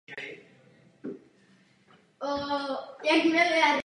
Za vznikem osady stály polovojenské oddíly Nachal.